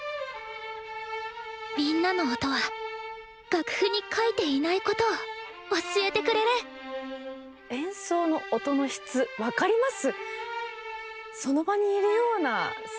みんなの音は楽譜にかいていないことを教えてくれる演奏の音の質分かります？